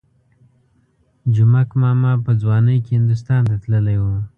جومک ماما په ځوانۍ کې هندوستان ته تللی وو.